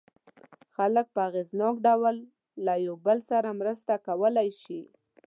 خلک په اغېزناک ډول له یو بل سره مرسته کولای شي.